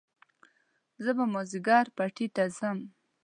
زه به مازيګر پټي ته ځم